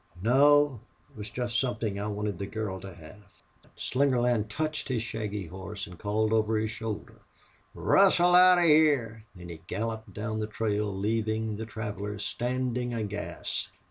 "No. It was jest somethin' I wanted the girl to hev." Slingerland touched his shaggy horse and called over his shoulder: "Rustle out of hyar!" Then he galloped down the trail, leaving the travelers standing aghast.